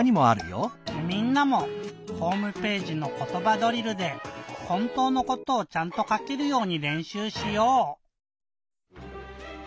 みんなもホームページの「ことばドリル」でほんとうのことをちゃんとかけるようにれんしゅうしよう！